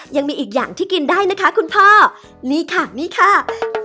ยังมีอีกอย่างที่กินได้นะคะคุณพ่อนี่ค่ะนี่ค่ะ